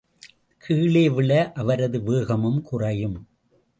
கீழேவிழ அவரது வேகமும் குறையும்.